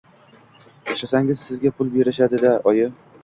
Ishlasangiz, sizga pul berishadi-a, oyi